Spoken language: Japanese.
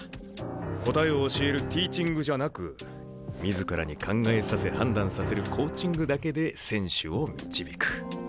答えを教えるティーチングじゃなく自らに考えさせ判断させるコーチングだけで選手を導く。